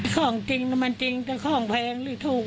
ของจริงมันจริงแต่ของแพงหรือถูก